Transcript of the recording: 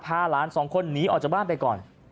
พาหลานสองคนหนีออกจากบ้านไปก่อน